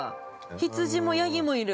羊もヤギもいる。